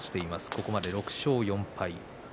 ここまで６勝４敗。